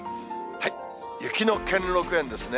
雪の兼六園ですね。